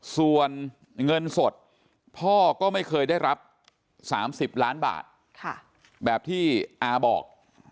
ส่วนเงินสดพ่อก็ไม่เคยได้รับ๓๐ล้านบาทแบบที่อาบอก